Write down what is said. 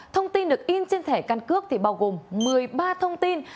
thông tin được in trên thẻ căn cước thì bao gồm một mươi ba thông tin